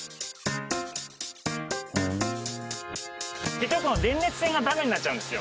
実はこの電熱線がダメになっちゃうんですよ。